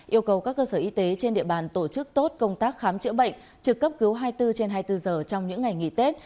yêu cầu các cơ sở y tế trên địa bàn tổ chức tốt công tác khám chữa bệnh trực cấp cứu hai mươi bốn trên hai mươi bốn giờ trong những ngày nghỉ tết